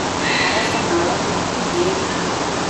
அரசன் அளவிற்கு ஏறிற்று.